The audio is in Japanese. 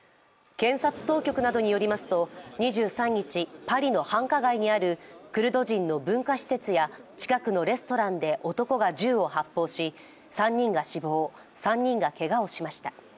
検察当局などによりますと２３日パリの繁華街にあるクルド人の文化施設や近くのレストランで男が銃を発砲し３人が死亡、３人がけがをしました。